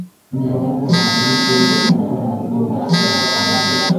Wingi wa mbwa udhibitiwe ili kuepukana na ugonjwa wa kichaa kwa wanyama